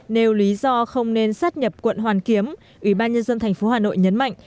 nếu lý do không nên sát nhập quận hoàn kiếm ủy ban nhân dân tp hà nội nhấn mạnh